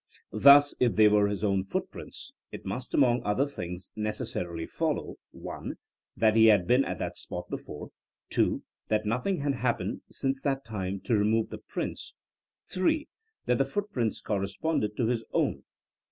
Thus, if they were his own footprints, it must, among other things, necessarily follow (1) that he had been at that spot before, (2) that nothing had happened since that time to remove the prints, (3) that the footprints corresponded to his own.